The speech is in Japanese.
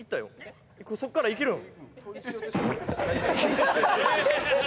そこからいけるん？